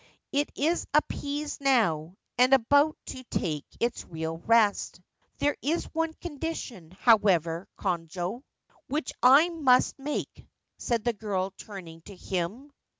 It is appeased now, and about to take its real rest/ ' There is one condition, however, Konojo, which I must make,' said the girl, turning to him.